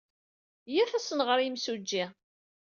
Iyyat ad as-nɣer i yimsujji.